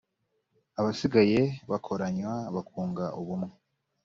abasigaye bakoranywa bakunga ubumwe